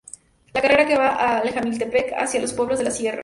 La carretera que va de Jamiltepec hacia los pueblos de la sierra.